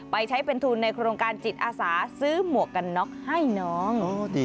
ไปใช้เป็นทุนในโครงการจิตอาสาซื้อหมวกกันน็อกให้น้อง